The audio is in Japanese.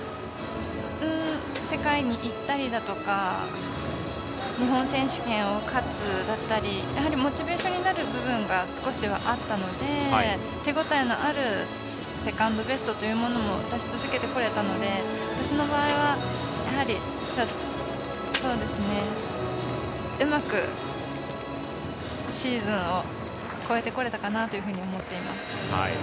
世界に行ったりだとか日本選手権を勝つだったりやはりモチベーションになる部分が少しはあったので手応えのあるセカンドベストというものも出し続けてこれたので私の場合はうまくシーズンを越えてこれたかなと思っています。